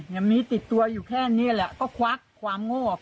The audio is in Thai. ยังมีติดตัวอยู่แค่นี้แหละก็ควักความงอก